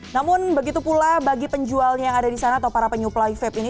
namun begitu pula bagi penjualnya yang ada di sana atau para penyuplai vape ini